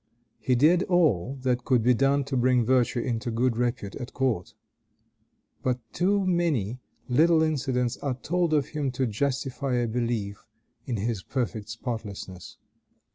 He did all that could be done to bring virtue into good repute at court. But too many little incidents are told of him to justify a belief in his perfect spotlessness.